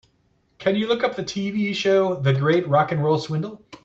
Can you look up the TV show, The Great Rock 'n' Roll Swindle?